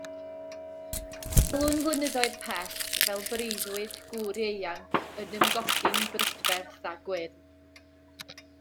Gwelwn fynyddoedd pell, fel breuddwyd gŵr ieuanc, yn ymgodi'n brydferth a gwyrdd.